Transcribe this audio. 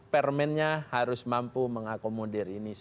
permennya harus mampu mengakomodir ini